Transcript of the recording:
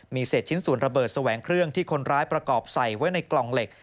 มีเศษชิ้นส่วนระเบิดแสวงเครื่องที่คนร้ายประกอบใส่ไว้ในกล่องเหล็ก